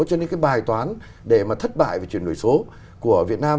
cho nên cái bài toán để mà thất bại về chuyển đổi số của việt nam